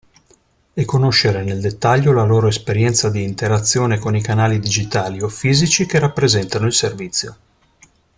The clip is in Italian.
E conoscere nel dettaglio la loro esperienza di interazione con i canali digitali o fisici che rappresentano il servizio.